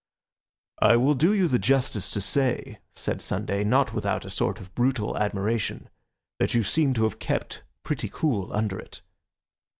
"I will do you the justice to say," said Sunday, not without a sort of brutal admiration, "that you seem to have kept pretty cool under it.